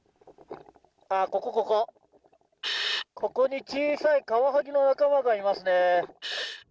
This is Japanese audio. ここここ、ここに小さいカワハギの仲間がいますね。